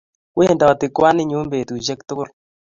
Wendoti kwaninyu petushe tugul